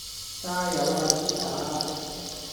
加油呀絲打